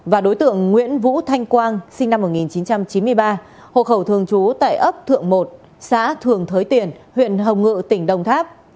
và đối tượng nguyễn vũ thanh quang sinh năm một nghìn chín trăm chín mươi ba hộ khẩu thường trú tại ấp thượng một xã thường thới tiền huyện hồng ngự tỉnh đồng tháp